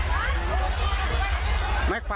อ่าเต็มออคตนะ